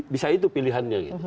bisa itu pilihannya